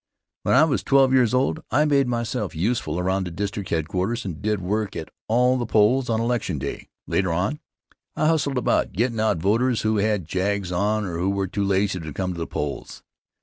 When I was twelve years old I made myself useful around the district headquarters and did work at all the polls on election day. Later on, I hustled about gettin' out voters who had jags on or who were too lazy to come to the polls.